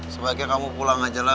sebaiknya kamu pulang aja ya abah